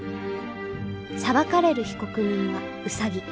裁かれる被告人はウサギ。